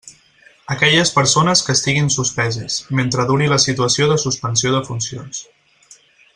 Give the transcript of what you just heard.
Aquelles persones que estiguin suspeses, mentre duri la situació de suspensió de funcions.